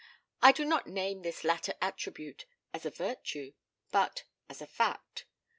I do not name this latter attribute as a virtue, but as a fact.